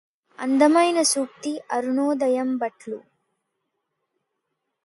అందమైన సూక్తి అరుణోదయంబట్లు